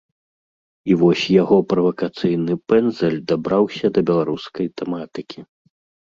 І вось яго правакацыйны пэндзаль дабраўся да беларускай тэматыкі.